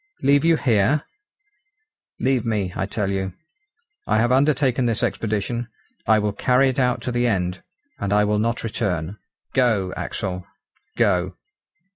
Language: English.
"Leave you here!" "Leave me, I tell you. I have undertaken this expedition. I will carry it out to the end, and I will not return. Go, Axel, go!"